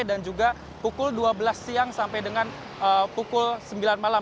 dan juga pukul dua belas siang sampai dengan pukul sembilan malam